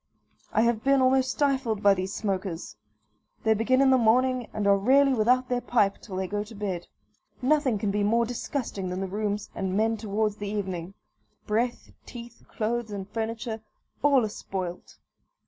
I have been almost stifled by these smokers. They begin in the morning, and are rarely without their pipe till they go to bed. Nothing can be more disgusting than the rooms and men towards the evening breath, teeth, clothes, and furniture, all are spoilt.